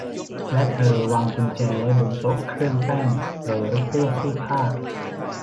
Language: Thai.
และเธอวางกุญแจไว้บนโต๊ะเครื่องแป้งหรือตู้เสื้อผ้า